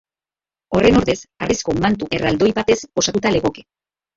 Horren ordez harrizko mantu erraldoi batez osatuta legoke.